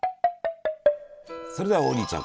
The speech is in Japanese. それでは王林ちゃん